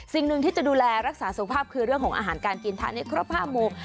สิ่งหนึ่งที่จะดูแลรักษาสุขภาพคือเรื่องของอาหารการกินทานให้ครบ๕โมง